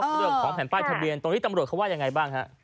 เรื่องของแผ่นป้ายทะเบียนตรงนี้ตำรวจเขาว่ายังไงบ้างฮะ